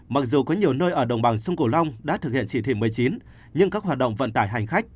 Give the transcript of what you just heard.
mặc dù có nhiều nơi ở đồng bằng sông cổ long đã thực hiện chỉ thị một mươi chín nhưng các hoạt động vận tải hành khách